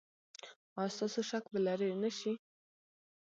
ایا ستاسو شک به لرې نه شي؟